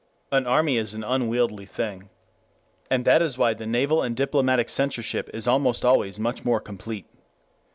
] An army is an unwieldy thing. And that is why the naval and diplomatic censorship is almost always much more complete.